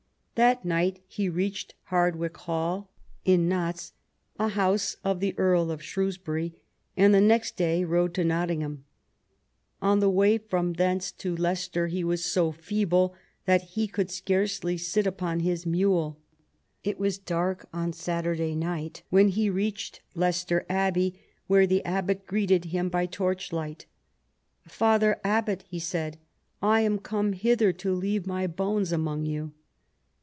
That night he reached Hardwick Hall, in Notts, a house of the Earl of Shrewsbury, and the next day rode to Nottingham. On the way from thence to Leicester he was so feeble that he could scarcely sit upon his mule. It was dark on Satur4ay night when he reached Leicester Abbey, where the abbot greeted him by torchlight. "Father Abbot," he said, " I am come hither to leave my bones among you."